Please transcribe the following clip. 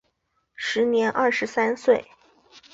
时年二十三岁。